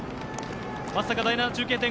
松阪第７中継点